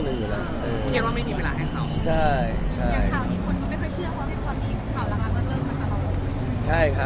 อ๋อน้องมีหลายคน